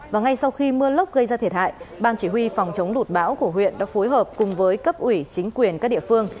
và ngay sau khi mưa lốc gây ra thiệt hại ban chỉ huy phòng chống lụt bão của huyện đã phối hợp cùng với cấp ủy chính quyền các địa phương